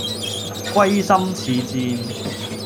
歸心似箭